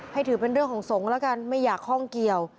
ถือเป็นเรื่องของสงฆ์แล้วกันไม่อยากข้องเกี่ยว